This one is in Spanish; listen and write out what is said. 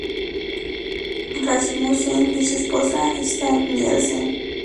Rasmussen y su esposa, Stine Nielsen.